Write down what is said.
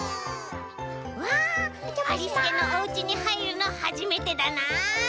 わっありすけのおうちにはいるのはじめてだな」。